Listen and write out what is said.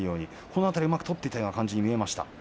この辺りはうまく取っていたような感じがしましたね。